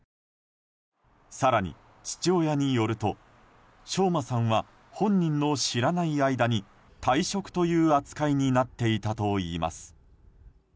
更に、父親によると翔馬さんは本人の知らない間に退職という扱いになっていたといいます。